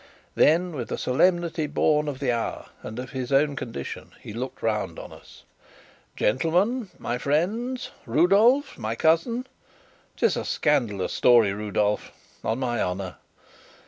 Then, with a solemnity born of the hour and his own condition, he looked round on us: "Gentlemen, my friends Rudolf, my cousin ['tis a scandalous story, Rudolf, on my honour!)